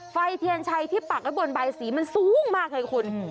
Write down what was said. ไฟเทียนชัยที่ปักไว้บนใบสีมันสูงมากเลยคุณ